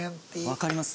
わかります